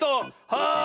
はい！